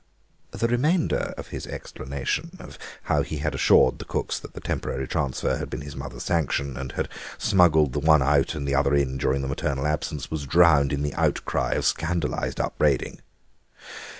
The remainder of his explanation, of how he had assured the cooks that the temporary transfer had his mother's sanction, and had smuggled the one out and the other in during the maternal absence, was drowned in the outcry of scandalised upbraiding.